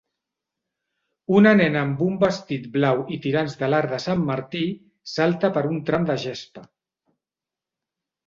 Una nena amb un vestit blau i tirants de l'arc de Sant Martí salta per un tram de gespa.